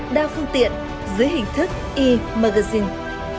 đa phương tiện dưới hình thức e magazine